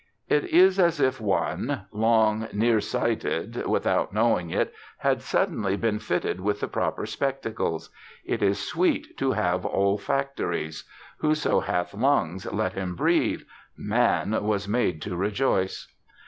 It is as if one long near sighted without knowing it had suddenly been fitted with the proper spectacles. It is sweet to have olfactories. Whoso hath lungs, let him breathe. Man was made to rejoice!